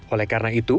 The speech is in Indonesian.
oleh karena itu